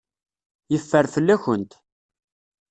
Yeffer fell-akent.